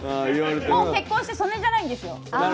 もう結婚して、曽根じゃないんですよ。